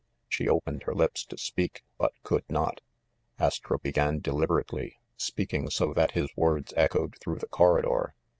She opened her lips to speak, but could not. Astro began deliberately, speaking so that his words echoed through the corridor.